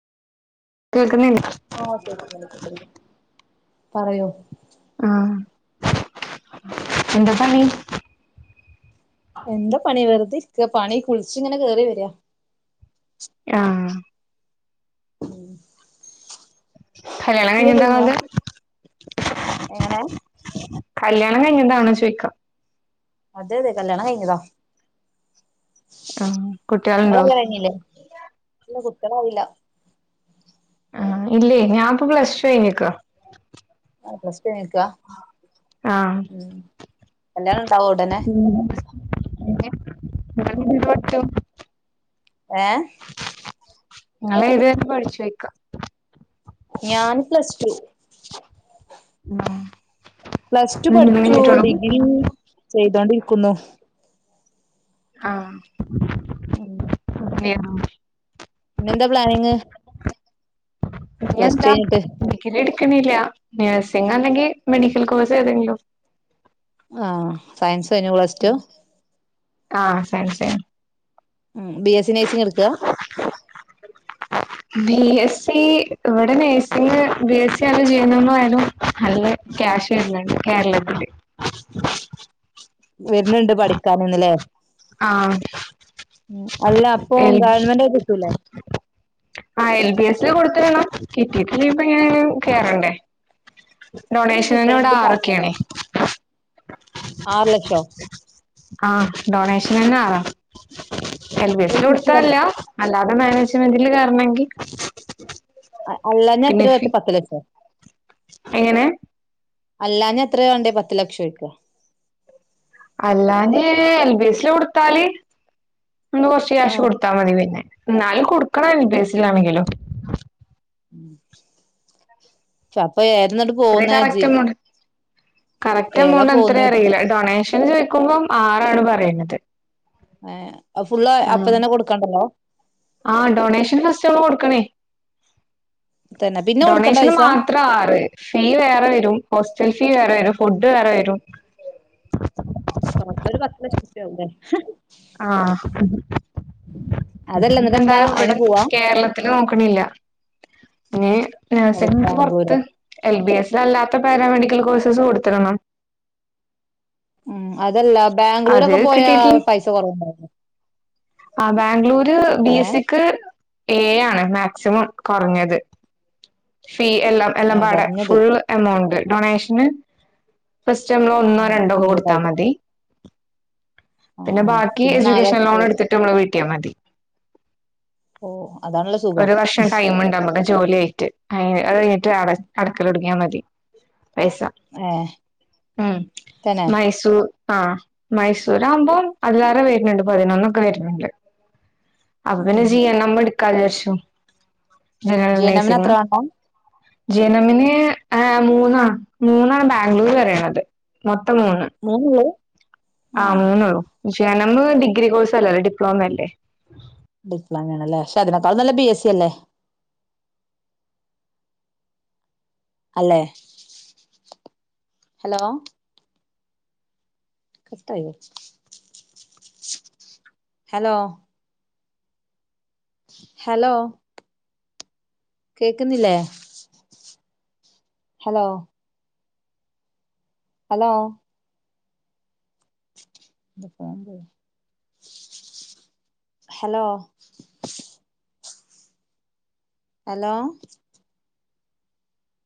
കേൾക്കുന്നില്ലേ ആഹ് കേക്ക്നുണ്ട് കേക്ക്നുണ്ട് പറയൂ ആഹ് എന്താ പണി എന്താ പണി വെറുതെ ഇരിക്ക പണി കുളിച്ച് ഇങ്ങനെ കയറി വരിയാ ആഹ് ഉം കല്യാണം കഴിഞ് എന്താണത് എങ്ങന കല്യാണം കഴിഞ്ഞതാണോന്ന് ചോയിക്ക അതെ അതെ കല്യാണം കഴിഞ്ഞതാ ആഹ് നിങ്ങള കുട്ടികളുണ്ടോ കല്ല്യാണം കഴിഞ്ഞില്ലേ ഇല്ല കുട്ടികളായില്ല ആ ഇല്ലേ ഞാപ്പൊ പ്ലസ്ടു കഴിഞ്ഞിക്ക ആ പ്ലസ്റ്റു കഴിഞിക്ക ആഹ് ഉം കല്ല്യാണം ഉണ്ടാവോ ഒടനെ ഉം പിന്നെ [unintelligible] ഏഹ് ങ്ങള് ഏത് വരെ പഠിച്ചോയിക്കാ ഞാൻ പ്ലസ് ടു മാ പ്ലസ് ടു പഠിച്ചൂ ഡിഗ്രി ചെയ്തോണ്ടിക്കുന്നു ആഹ് ഉം എം പിന്നെന്താ പ്ലാനിങ് ഇനി പ്ലസ് ടു എന്താ കഴിഞ്ഞിട്ട് ഡിഗ്രി എടുക്കണില്ല നേഴ്സിംഗ് അല്ലെങ്കി മെഡിക്കൽ കോഴ്സ് ഏതെങ്കിലും ആഹ് സയൻസായിനു പ്ലസ് ടു ആ സയൻസായിനു ഉം ബി എസ് സി നേഴ്സിംഗ് എടുക്ക ആ ബി എസ് സി ഇവിട നേഴ്സിങ്ങ് ബി എസ് സി ആണ് ജീനോമ് വേണം. അല്ല ആഹ് കാഷ് വെര്ന്നുണ്ട് കേർളത്തില് വെരുന്നുണ്ട് പഠിക്കാനന്നല്ലേ ആഹ് അല്ല അപ്പൊ എൽ ഗവണ്മെന്റായി കിട്ടൂലേ. ആ എൽ ബി എസ് ല് കൊടുത്തിടണം കിട്ടിയിട്ടില്ലെ ഇപ്പൊ ഞാൻ കേറണ്ടേ. അത് ഡൊണേഷന് ഇവിടെ കിട്ടണെങ്കില് ആറൊക്കെയാണേ. ആറ് ലെക്ഷോ ആഹ് ഡൊണേഷനന്നെ ആറാ എൽ ബി ഒരു എസിൽ കുറ്റിയാള് കൊടുത്തല്ല. അല്ലാതെ മാനേജ്മെന്റില് കേറണെങ്കിൽ അല്ലാന്നാ എത്ര വെച്ച പത്ത് ലക്ഷോ. എങ്ങനെ അല്ലാഞ്ഞ എത്രയ വേണ്ടേ പത്ത് ലക്ഷൊക്ക അല്ലാതെ എൽ ബി എസിൽ കൊടുത്താല് നിങള് കൊറച്ച് കാഷ് ആഹ് കൊടുത്താ മതി പിന്നെ എന്നാലും കൊടുക്കണം എൽ ബി സില്ലാണെങ്കിലും ഉം ചപ്പൊ ഏരുന്നട്ട് അത്ര കറക്റ്റ് എമൗണ്ട് കറക്റ്റ് ഏതാ എമൗണ്ട് പോകുന്ന എത്രയ അറിയില്ല. ഡൊണേഷൻ ചോയിക്കുമ്പം ആറാണ് പറയുന്നത്. ഏഹ് അ ഫുള്ള് അപ്പ തന്നെ കൊടുക്കാണ്ടല്ലോ. ആ ഡൊണേഷൻ ഫെസ്റ്റ് ഒക്കെ കൊടുക്കണേ. തന്നെ പിന്നെ കൊടുക്കണ്ട ഡൊണേഷന് പൈസ മാത്ര ആറ്. ഫീ വേറെ വെരും ഹോസ്റ്റൽ ഫീ വേറെ വെരും ഫുഡ് വേറെ വെരും. ടോട്ടൽ ഒരു പത്ത് ലക്ഷം രുപയാ വൂല്ലേ ആഹ് അതല്ല എന്നിട്ടെന്താ എന്തായാലും അയിന് ഇവിടെ പോവാ കേർളത്തില് നോക്കണില്ല. പിന്നെ എവിടെ നേഴ്സിങ്ങ് ബാംഗ്ലൂരോ പൊർത്ത്. എൽ ബി എസ് അല്ലാത്ത പാരാമെഡിക്കൽ കോഴ്സസ് കൊടുത്ത്ക്ക്ണ്. ഉം അതല്ല അത് ബാംഗ്ലൂരൊക്കെ പോയ കിട്ടിയിട്ടില്ല പൈസ കുറവുണ്ടാവോ ആഹ് ബാംഗ്ലൂര് ബി എസ് സിക്ക് ഏഴാണ് മാക്സിമം കൊറഞ്ഞത്. ഫീ എല്ലാം എല്ലാം ഏഹ് പാടെ കൊറഞ്ഞത് ഫുള്ള് എമൗണ്ട് ഡൊണേഷന് ഫസ്റ്റ് നമ്മള് ഒന്നോ ആഹ് രണ്ടോക്കെ ഇൻക്ലൂഡ് കൊടുത്താ ആയി മതി. ആഹ് പിന്നെ ആഹ് ബാക്കി പിന്നെ നാല് എജ്യൂക്കേഷൻ ലക്ഷ ലോൺ എടുത്തിട്ട് നമ്മൾ വീട്ടിയാൽ മതി. ഓഹ് അതാണല്ലോ സുഖം ഒരു വർഷം ടൈമുണ്ട് നമ്മള് ജോലി ആയിട്ട് അ അത് കഴിഞ്ഞിട്ട് അടക്കലൊടുങ്ങിയാൽ മതി പൈസ ഏഹ് ഉം തന്നെ മൈസൂ ആഹ് മൈസൂർ ആകുമ്പോം അതിലാറെ വരുന്നുണ്ട് പതിനൊന്നൊക്കെ വരുന്നുണ്ട്. അപ്പം പിന്നെ ഉം ജി എൻ എം എടുക്കാ വിചാരിച്ചു ജനറൽ ജനമിന് നേഴ്സിങ്ങ് എത്ര വേണം ജി എൻ എമ്മിന് ആ മൂന്നാ മൂന്നാണ് ബാംഗ്ലൂർ പറയണത്. മൊത്തം മൂന്ന് മൂന്നുള്ളൂ ആ ആഹ് മൂന്നൊള്ളു ‌ജി എൻ എം ഡിഗ്രി കോഴ്സല്ലല്ലോ ഡിപ്ലോമ അല്ലേ. ഡിപ്ലോമ ആണല്ലേ പക്ഷെ അതിനേക്കാളുംനല്ലത് ബി എസ് സി അല്ലേ അല്ലേ ഹലോ കട്ടയോ ഹലോ ഹലോ കേക്കുന്നില്ലേ ഹലോ ഹലോ ഹലോ ഹലോ